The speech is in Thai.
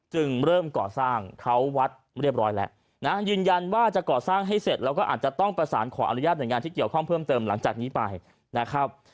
เริ่มก่อสร้างเขาวัดเรียบร้อยแล้วนะยืนยันว่าจะก่อสร้างให้เสร็จแล้วก็อาจจะต้องประสานขออนุญาตหน่วยงานที่เกี่ยวข้องเพิ่มเติมหลังจากนี้ไปนะครับ